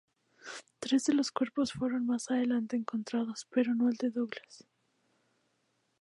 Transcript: Tres de los cuerpos fueron más adelante encontrados, pero no el de Douglas.